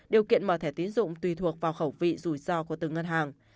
điều kiện mở thẻ tín dụng tùy thuộc vào khẩu vị rủi ro của từng ngân hàng